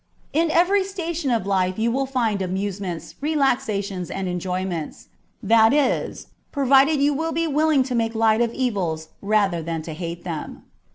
In every station of life you will find amusements, relaxations, and enjoyments ; that is, pro vided you be willing to make light of evils rather than to hate them.